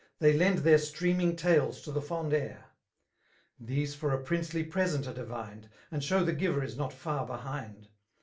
They lend their streaming tails to die fond air* 17 These for a princely present are dhrinedy And shew the giver is not far behind.